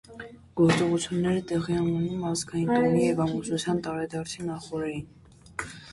Գործողությունները տեղի են ունենում ազգային տոնի և ամուսնության տարեդարձի նախօրեին։